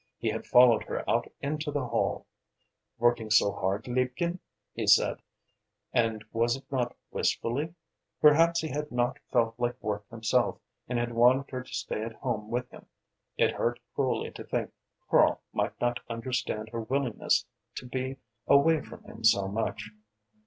He had followed her out into the hall. "Working so hard, liebchen?" he said and was it not wistfully? Perhaps he had not felt like work himself and had wanted her to stay at home with him. It hurt cruelly to think Karl might not understand her willingness to be away from him so much.